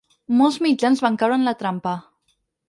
Molts mitjans van caure en la trampa.